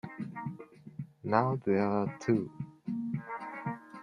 Now there are two.